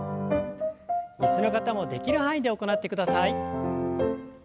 椅子の方もできる範囲で行ってください。